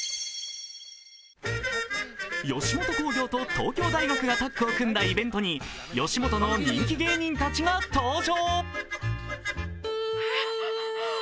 吉本興業と東京大学がタッグを組んだイベントに吉本の人気芸人たちが登場。